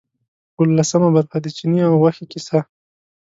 اوولسمه برخه د چیني او غوښې کیسه.